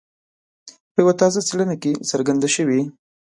په یوه تازه څېړنه کې څرګنده شوي.